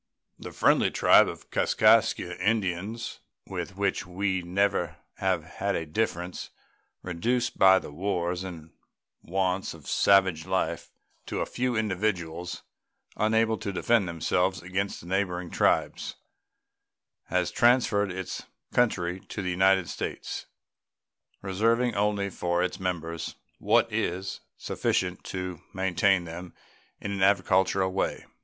The friendly tribe of Kaskaskia Indians, with which we have never had a difference, reduced by the wars and wants of savage life to a few individuals unable to defend themselves against the neighboring tribes, has transferred its country to the United States, reserving only for its members what is sufficient to maintain them in an agricultural way.